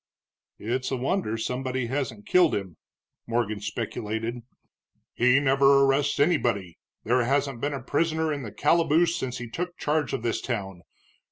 "It's a wonder somebody hasn't killed him," Morgan speculated. "He never arrests anybody, there hasn't been a prisoner in the calaboose since he took charge of this town.